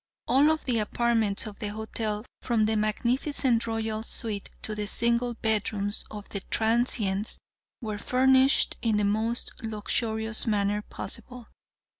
All of the apartments of the hotel, from the magnificent "Royal Suite" to the single bedrooms of the transients, were furnished in the most luxurious manner possible.